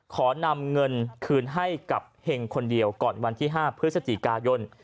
ขอนำเงินคืนให้กับเห็งคนเดียวก่อนวันที่๕พฤศจิกายน